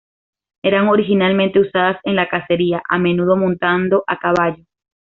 Eran originalmente usadas en la cacería, a menudo montando a caballo.